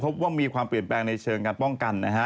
พบว่ามีความเปลี่ยนแปลงในเชิงการป้องกันนะฮะ